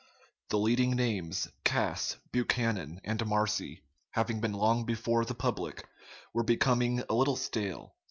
The leading names, Cass, Buchanan, and Marcy, having been long before the public, were becoming a little stale.